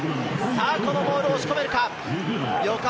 このボール、押し込めるか？